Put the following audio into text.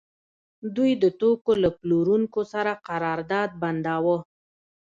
دوی د توکو له پلورونکو سره قرارداد بنداوه